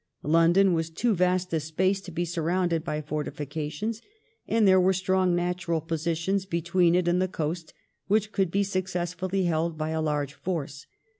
London was too vast a space to be surrounded by fortifications, and there were strong natural positions between it and the coast which could be successfully held by a large force.